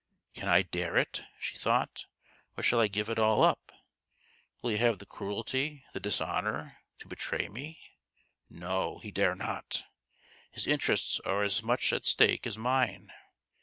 " Can I dare it ?" she thought ;" or shall I give it all up ? Will he have the cruelty, the dishonour, to betray me? No, he dare not! His interests are as much at stake as mine.